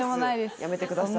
やめてください